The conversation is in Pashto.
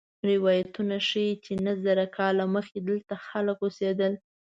روایتونه ښيي چې نهه زره کاله مخکې دلته خلک اوسېدل.